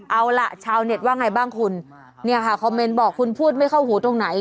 เอาล่ะชาวเน็ตว่าไงบ้างคุณเนี่ยค่ะคอมเมนต์บอกคุณพูดไม่เข้าหูตรงไหน